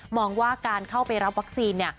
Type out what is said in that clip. มองว่าการเข้าไปรับวัคซีน